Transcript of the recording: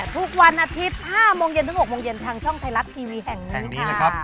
ทุกวันอาทิตย์๕โมงเย็นถึง๖โมงเย็นทางช่องไทยรัฐทีวีแห่งนี้ค่ะ